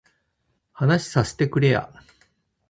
話させてくれや